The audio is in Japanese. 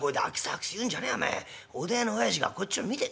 おでん屋のおやじがこっちを見て。